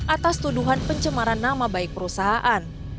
atas tuduhan pencemaran nama baik perusahaan